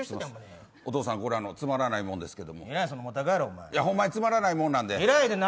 お父さん、これつまらないものですけどほんまにつまらないもんなんで。